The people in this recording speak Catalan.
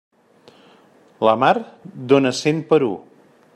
La mar dóna cent per u.